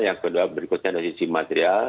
yang kedua berikutnya dari sisi material